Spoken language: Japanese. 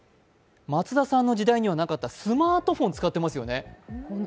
松田さんの時代にはなかったスマートフォン使ってますよね。